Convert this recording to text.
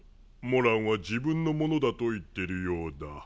モランは自分のものだと言ってるようだ